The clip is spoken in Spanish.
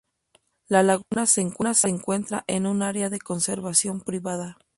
La laguna se encuentra en una área de conservación privada.